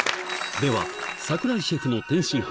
では、櫻井シェフの天津飯。